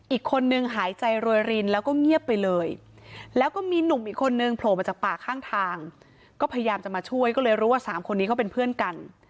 อีกคนนึงหายใจรวยรินแล้วก็เงียบไปเลยแล้วก็มีหนุ่มอีกคนนึงโผล่มาจากป่าข้างทางก็พยายามจะมาช่วยก็เลยรู้ว่าสามคนนี้เขาเป็นเพื่อนกัน